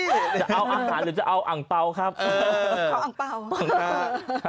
จะเอาอาหารหรือจะเอาอังเปาครับเออเอาอังเปา